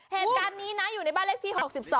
เหตุการณ์นี้นะอยู่ในบ้านเลขที่๖๒